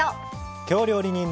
京料理人の。